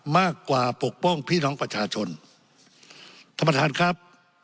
มากกว่าปกป้องพี่น้องประชาชนท่านประธานครับ